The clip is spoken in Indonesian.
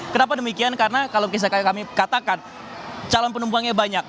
kenapa demikian karena kalau kami katakan calon penumpangnya banyak